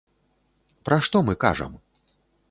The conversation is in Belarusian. Пра што мы кажам?